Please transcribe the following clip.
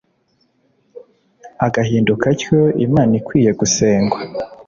agahinduka atyo imana ikwiye gusengwa